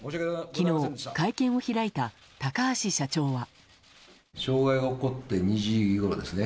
昨日、会見を開いた高橋社長は。